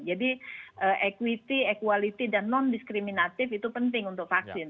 jadi equity equality dan non diskriminatif itu penting untuk vaksin